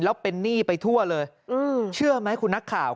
แล้วเป็นหนี้ไปทั่วเลยเชื่อไหมคุณนักข่าว